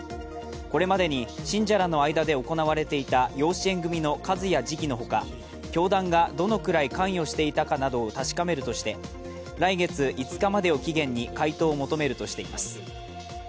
これまでに信者らの間で行われていた養子縁組の数や時期のほか、教団がどのくらい関与していたかなどを確かめるとして来月５日までをめどに回答を求めるとしています。